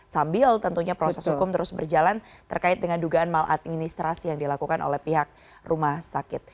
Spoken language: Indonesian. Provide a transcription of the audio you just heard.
sambil tentunya proses hukum terus berjalan terkait dengan dugaan maladministrasi yang dilakukan oleh pihak rumah sakit